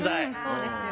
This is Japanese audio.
そうですよ。